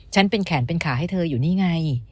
เป็นแขนเป็นขาให้เธออยู่นี่ไง